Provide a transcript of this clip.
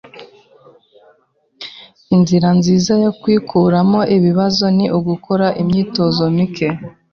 Inzira nziza yo kwikuramo ibibazo ni ugukora imyitozo mike.